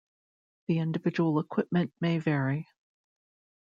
The individual equipment may vary.